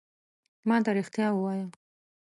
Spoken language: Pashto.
ما ته رېښتیا ووایه !